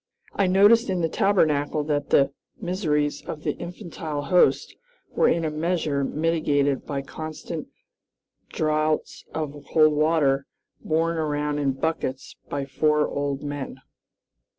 I noticed in the Tabernacle that the miseries of the infantile host were in a measure mitigated by constant draughts of cold water, borne around in buckets by four old men.